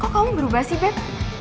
kok kamu berubah sih bep